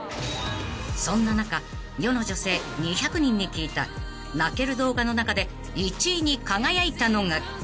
［そんな中世の女性２００人に聞いた泣ける動画の中で１位に輝いたのが］